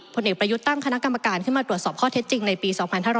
ผลเอกประยุทธ์ตั้งคณะกรรมการขึ้นมาตรวจสอบข้อเท็จจริงในปี๒๕๕๙